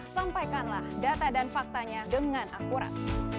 sampaikanlah data dan faktanya dengan akurat